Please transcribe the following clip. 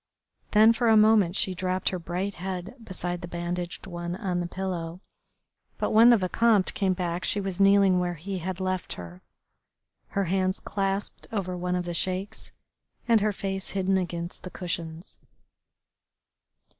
Then for a moment she dropped her bright head beside the bandaged one on the pillow, but when the Vicomte came back she was kneeling where he had left her, her hands clasped over one of the Sheik's and her face hidden against the cushions.